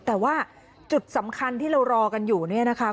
แต่ว่าจุดสำคัญที่เรารอกันอยู่เนี่ยนะคะ